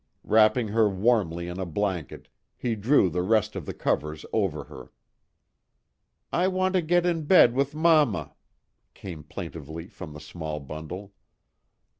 Wrapping her warmly in a blanket, he drew the rest of the covers over her. "I want to get in bed with mamma," came plaintively from the small bundle.